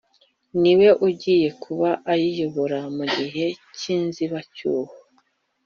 ni we ugiye kuba ayiyobora mu gihe cy’inzibacyuho